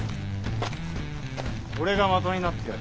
俺が的になってやる。